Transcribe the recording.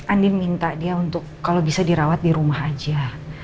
andi minta dia untuk kalau bisa dirawat di rumah aja